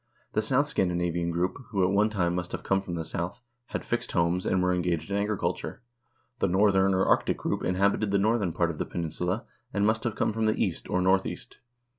The south Scandinavian group, who at one time must have come from the south, had fixed homes, and were engaged in agriculture. The northern or arctic group inhabited the northern part of the peninsula, and must have come from the east, or north east.